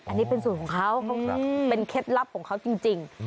อันนี้เป็นสูตรของเขาเป็นเคล็ดลับของเขาจริง